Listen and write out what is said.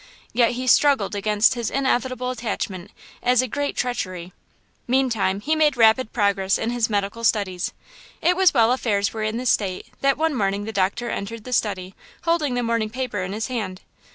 Yet he struggled against his inevitable attachment as a great treachery, Meantime he made rapid progress in his medical studies. It was while affairs were in this state that one morning the doctor entered the study holding the morning paper in his hand.